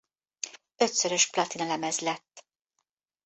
Ötszörös platinalemez lett.